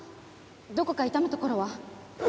どこか痛むところは？